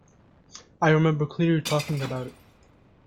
I remember clearly talking about it.